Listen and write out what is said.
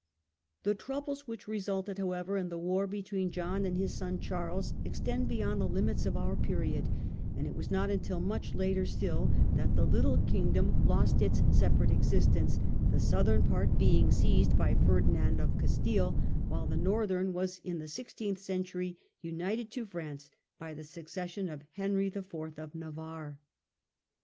The troubles which resulted, however, and the war between John and his son Charles extend beyond the limits of our period ; and it was not until much later still that the little Kingdom lost its separate existence, the southern part being seized by Ferdinand of Castile, while the northern was in the sixteenth century united to France by the succession of Henry IV. of Navarre.